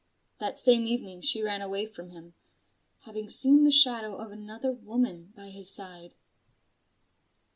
That same evening she ran away from him: having seen the shadow of another woman by his side.